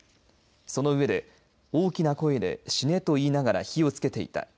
その上で大きな声で死ねと言いながら火をつけていた。